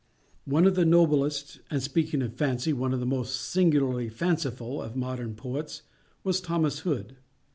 One of the noblest—and, speaking of Fancy—one of the most singularly fanciful of modern poets, was Thomas Hood.